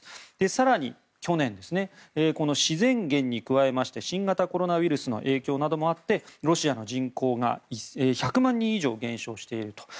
更に去年、自然減に加えまして新型コロナウイルスの影響などもあってロシアの人口が１００万人以上減少していると。